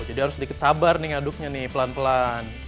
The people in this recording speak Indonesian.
jadi harus sedikit sabar nih ngaduknya nih pelan pelan